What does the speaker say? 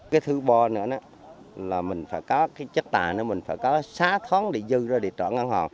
cái thứ ba nữa là mình phải có cái chất tà nữa mình phải có sáu tháng để dư ra để trở ngăn hòn